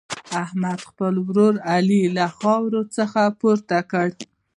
احمد، خپل ورور علي له خاورو څخه پورته کړ.